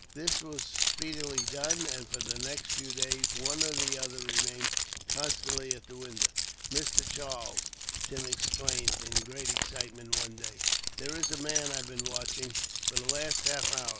This was speedily done and, for the next few days, one or other remained constantly at the window. "Mr. Charles!" Tim exclaimed in great excitement, one day; "there is a man I've been watching, for the last half hour.